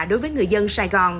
đối với người dân sài gòn